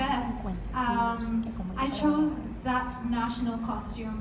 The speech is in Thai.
และเบลต์มันถึง๕กิโลกรัม